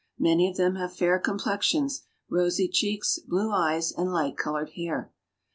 Many of them have fair complexions, rosy cheeks, blue eyes, and light colored hair.